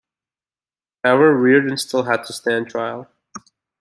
However, Reardon still had to stand trial.